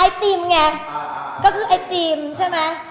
ไอติมไงก็คือไอติมใช่ไหม